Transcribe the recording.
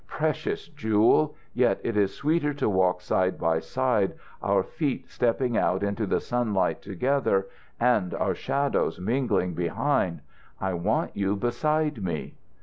"Precious Jewel! Yet it is sweeter to walk side by side, our feet stepping out into the sunlight together, and our shadows mingling behind. I want you beside me."